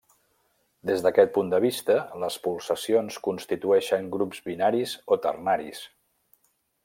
Des d'aquest punt de vista, les pulsacions constitueixen grups binaris o ternaris.